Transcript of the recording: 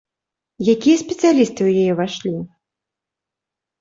Якія спецыялісты ў яе ўвайшлі?